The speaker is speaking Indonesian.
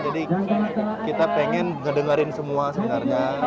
kita pengen ngedengerin semua sebenarnya